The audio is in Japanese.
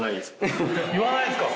言わないですか！